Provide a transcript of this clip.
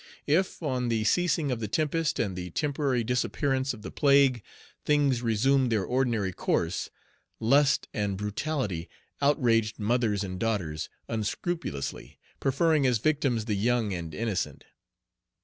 If, on the ceasing of the tempest and the temporary disappearance of the plague, things resumed their ordinary course, lust and brutality outraged mothers and daughters unscrupulously, preferring as victims the young and innocent.